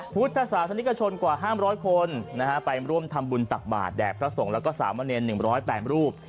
พุทธศาสนิกชนกว่าห้ามร้อยคนนะฮะไปร่วมทำบุญตักบาทแดกพระสงฆ์แล้วก็สามาร์เนียน๑๐๘รูป